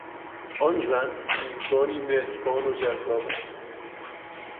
آن زن میزبانی مهربان و جذاب است.